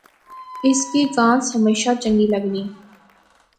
اس کی کانس ہمیشہ چنگی لغی